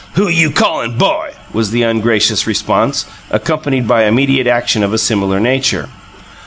"Who you callin' 'bo?" was the ungracious response, accompanied by immediate action of a similar nature.